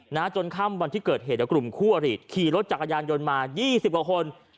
หน้าจนข้ามวันที่เกิดเหตุกลุ่มคู่อรีตขี่รถจักรยานยนต์มา๒๐กว่าคน